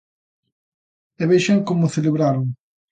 E vexan como o celebraron.